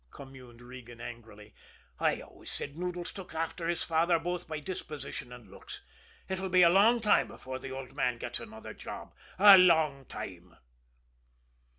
communed Regan angrily. "I always said Noodles took after his father, both by disposition and looks! It'll be a long time before the old man gets another job a long time."